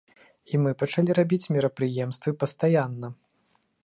І мы пачалі рабіць мерапрыемствы пастаянна.